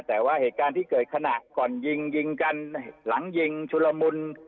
แต่ว่าเหตุการณ์ที่เกิดขณะก่อนยิงยิงกันหลังยิงชุลมุน